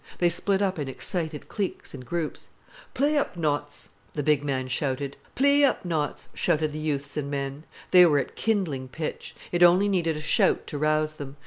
They split up in excited cliques and groups. "Play up, Notts!" the big man shouted. "Plee up, Notts!" shouted the youths and men. They were at kindling pitch. It only needed a shout to rouse them.